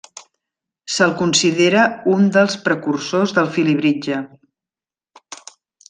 Se'l considera un dels precursors del Felibritge.